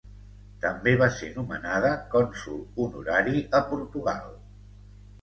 També va ser nomenada cònsol honorari a Portugal.